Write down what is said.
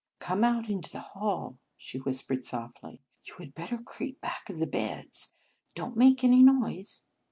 "Come out into the hall," she whis pered softly. " You had better creep back of the beds. Don t make any noise!"